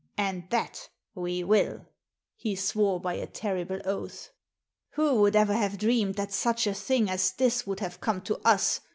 And that we will," he swore by a terrible oath. " Who €^t ^axhontx'0 Z<xh 109 would ever have dreamed that such a thing as this would have come to us